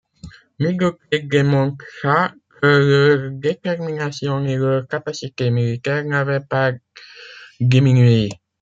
Middle Creek démontra que leur détermination et leurs capacités militaires n'avaient pas diminué.